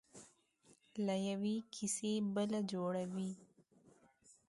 له یوې کیسې بله جوړوي.